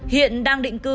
hiện đang định cư